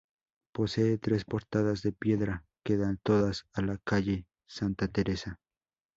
Posee tres portadas de piedra que dan todas a la calle Santa Teresa.